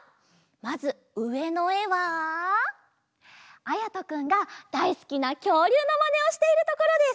まずうえのえはあやとくんがだいすきなきょうりゅうのマネをしているところです。